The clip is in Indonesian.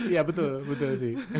ya betul betul sih